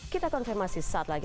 kita konfirmasi saat lagi